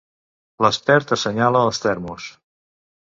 L'expert assenyala els termos.